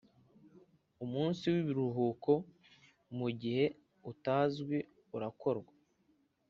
umunsi w ikiruhuko mu gihe utazwi urakorwa